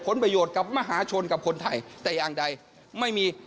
ผลประโยชน์กับมหาชนกับคนไทยแต่อย่างใดไม่มี